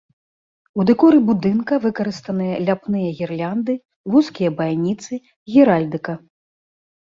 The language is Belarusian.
У дэкоры будынка выкарыстаныя ляпныя гірлянды, вузкія байніцы, геральдыка.